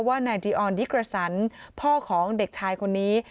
ว่านายดีออนดิกระสันพ่อของเด็กชายคนนี้